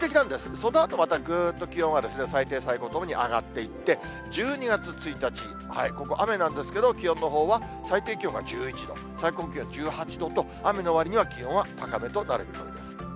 そのあとまたぐっと気温は最低、最高ともに上がっていって、１２月１日、ここ、雨なんですけど、気温のほうは最低気温が１１度、最高気温１８度と、雨のわりには気温は高めとなる見込みです。